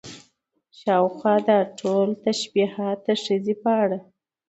شاوخوا دا ټول تشبيهات د ښځې په اړه